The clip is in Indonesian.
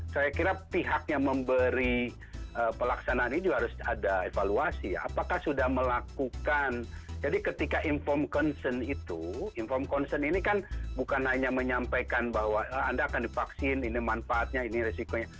jadi harus ada evaluasi ya apakah sudah melakukan jadi ketika inform concern itu inform concern ini kan bukan hanya menyampaikan bahwa anda akan divaksin ini manfaatnya ini risikonya